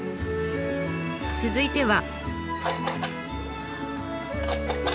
続いては。